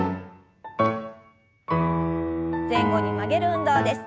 前後に曲げる運動です。